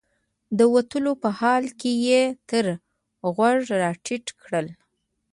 د وتلو په حال کې یې تر غوږ راټیټ کړل.